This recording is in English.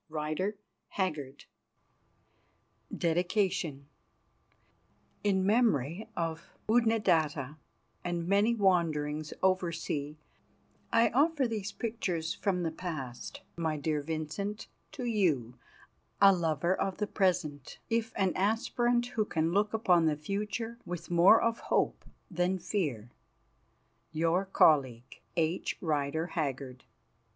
Rider Haggard First Published 1914. DEDICATION In memory of Oodnadatta and many wanderings oversea I offer these pictures from the past, my dear Vincent, to you, a lover of the present if an aspirant who can look upon the future with more of hope than fear. Your colleague, H. Rider Haggard.